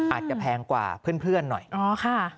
อาจจะแพงกว่าเพื่อนเพื่อนหน่อยอ๋อค่ะ